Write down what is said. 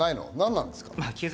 何なんですか？